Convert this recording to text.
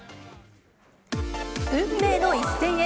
運命の一戦へ。